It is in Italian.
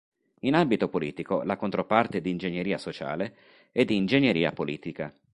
In ambito politico, la controparte di ingegneria sociale è di ingegneria politica.